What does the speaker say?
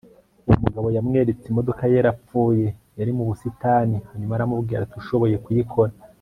Uwo mugabo yamweretse imodoka yari yarapfuye yari mu busitani hanyuma aramubwira ati ushoboye kuyikora